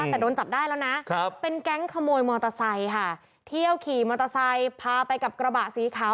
แต่โดนจับได้แล้วนะเป็นแก๊งขโมยมอเตอร์ไซด์ค่ะกั้นเข้าไปกับกระบะสีขาว